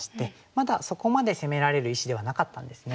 まだそこまで攻められる石ではなかったんですね。